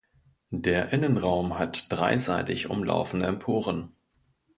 Der Innenraum hat dreiseitig umlaufende Emporen.